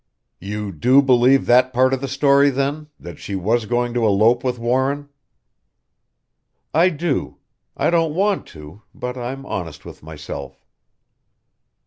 "You do believe that part of the story, then: that she was going to elope with Warren?" "I do. I don't want to but I'm honest with myself."